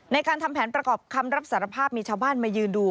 ทำแผนประกอบคำรับสารภาพมีชาวบ้านมายืนดู